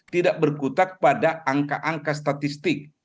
tidak berkutat pada angka angka statistik